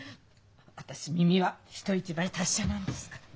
私耳は人一倍達者なんですから。